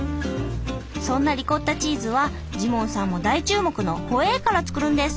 そんなリコッタチーズはジモンさんも大注目のホエーから作るんです。